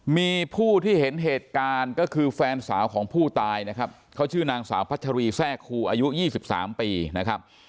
มีผู้ที่เห็นเหตุการณ์ก็คือแฟนสาวของผู้ตายนะครับเขาชื่อนางสาวพัชรีแทรกครูอายุ๒๓ปีนะครับ